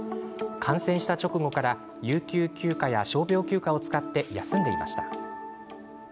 感染した直後から有給休暇や傷病休暇を使って休んでいました。